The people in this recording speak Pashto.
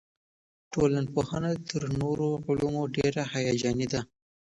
ټولنپوهنه تر نورو علومو ډېره هیجاني ده.